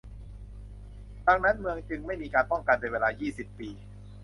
ดังนั้นเมืองจึงไม่มีการป้องกันเป็นเวลายี่สิบปี